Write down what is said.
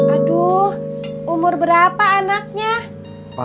aduh umur berapa anaknya